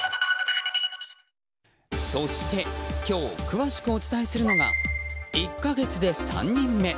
そして、今日詳しくお伝えするのが１か月で３人目。